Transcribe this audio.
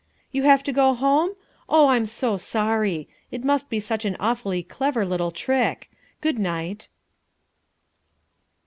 You have to go home? Oh, I'm so sorry. It must be such an awfully clever little trick. Good night!"